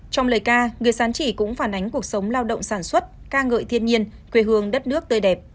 trong lời ca người sán chỉ cũng phản ánh cuộc sống lao động sản xuất ca ngợi thiên nhiên quê hương đất nước tươi đẹp